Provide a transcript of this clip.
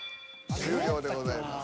終了でございます。